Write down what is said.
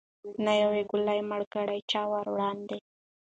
نه یوه ګوله مړۍ کړه چا وروړاندي